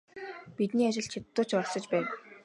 Бидний ажилд хятадууд ч оролцож байв.